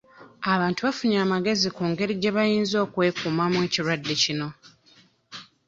Abantu bafunye amagezi ku ngeri gye bayinza okwekuumamu ekirwadde kino.